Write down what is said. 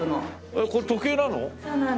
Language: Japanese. えっこれ時計なの？